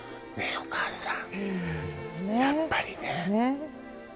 お母さんうんねえやっぱりね